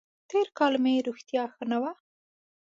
تېر کال مې روغتیا ښه نه وه